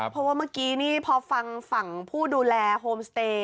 เพราะว่าเมื่อกี้นี่พอฟังฝั่งผู้ดูแลโฮมสเตย์